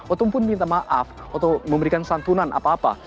ataupun minta maaf atau memberikan santunan apa apa